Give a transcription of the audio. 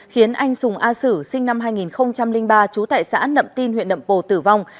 khiến anh sùng a sử sinh năm hai nghìn ba trú tại xã nậm tin huyện nậm pồ tử vong